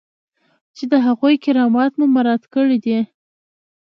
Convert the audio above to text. چې د هغوی کرامت مو مراعات کړی دی.